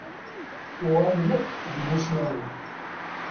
Uɣalen akk d imussnawen.